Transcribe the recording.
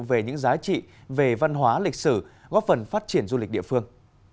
về những giá trị về văn hóa lịch sử góp phần phát triển du lịch địa phương